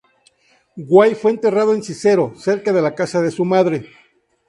White fue enterrado en Cicero, cerca de la casa de su madre.